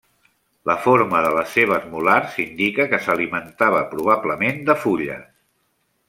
La forma de les seves molars indica que s'alimentava probablement de fulles.